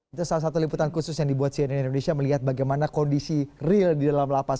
itu salah satu liputan khusus yang dibuat cnn indonesia melihat bagaimana kondisi real di dalam lapas